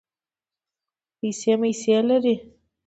پیسې مېسې لرې.